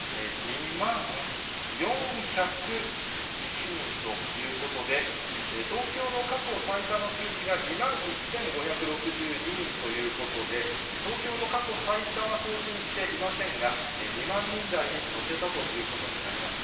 ２万４０１人ということで、東京の過去最多の数字が、２万１５６２人ということで、東京の過去最多は更新していませんが、２万人台に乗せたということになります。